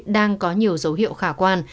đang có nhiều dấu hiệu khả quan